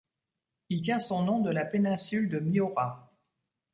Il tient son nom de la péninsule de Miura.